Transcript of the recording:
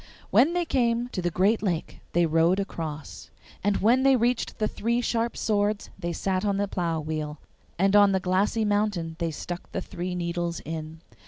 When they came to the great lake they rowed across, and when they reached the three sharp swords they sat on the plough wheel, and on the glassy mountain they stuck the three needles in.